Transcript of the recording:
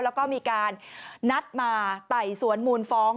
แล้วก็มีการนัดมาไต่สวนมูลฟ้อง